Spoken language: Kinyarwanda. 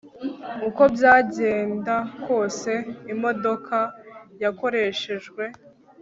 uko byagenda kose imodoka yakoreshejwe